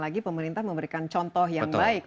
lagi pemerintah memberikan contoh yang baik